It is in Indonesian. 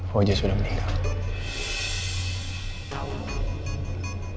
fauzi sudah meninggal